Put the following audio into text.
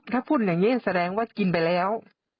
ถ้าพูดอย่างนี้แสดงว่ากินไปแล้ว